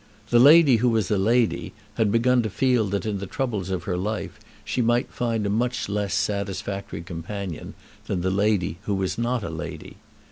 The lady who was a lady had begun to feel that in the troubles of her life she might find a much less satisfactory companion than the lady who was not a lady.